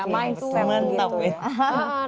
positif thinking ya mindset